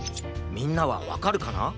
みんなはわかるかな？